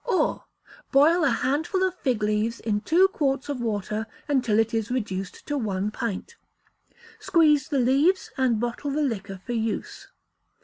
Or, boil a handful of fig leaves in two quarts of water until it is reduced to one pint; squeeze the leaves, and bottle the liquor for use.